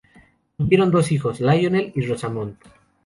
Tuvieron dos hijos, Lionel y Rosamund.